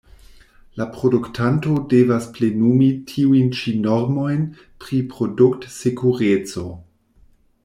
La produktanto devas plenumi tiujn ĉi normojn pri produkt-sekureco.